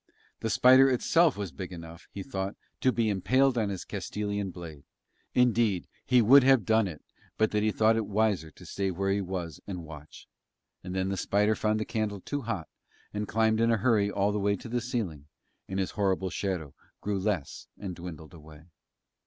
The spider itself was big enough, he thought, to be impaled on his Castilian blade; indeed, he would have done it but that he thought it wiser to stay where he was and watch. And then the spider found the candle too hot and climbed in a hurry all the way to the ceiling, and his horrible shadow grew less and dwindled away.